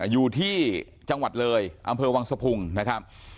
อยู่ที่จังหวัดเลยอำเภอวังสะพุงนะครับ